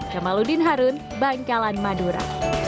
kamaludin harun bankalan madura